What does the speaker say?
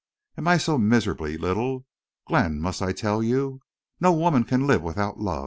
Am I so miserably little?... Glenn, must I tell you? No woman can live without love.